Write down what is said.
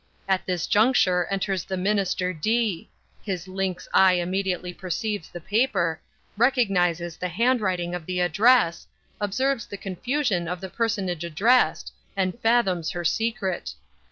At this juncture enters the Minister D——. His lynx eye immediately perceives the paper, recognises the handwriting of the address, observes the confusion of the personage addressed, and fathoms her secret.